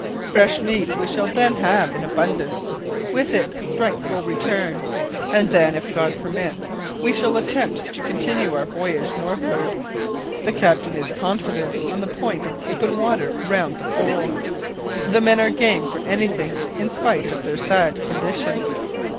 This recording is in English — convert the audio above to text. Fresh meat we shall then have in abundance. With it strength will return, and then, if God permits, we shall attempt to continue our voyage northward. The captain is confident on the point of open water round the Pole. The men are game for anything in spite of their sad condition."